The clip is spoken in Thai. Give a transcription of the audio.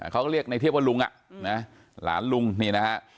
เขาก็เรียกในเทพว่าลุงอ่ะนะหลานลุงนี่นะฮะ